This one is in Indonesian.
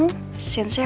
komentar buat sensor ibu